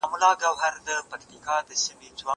زه اوږده وخت د زده کړو تمرين کوم!